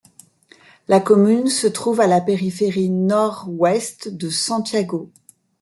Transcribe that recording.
La commune se trouve à la périphérie nord-puest de Santiago.